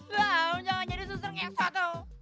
jangan jadi suster ngesot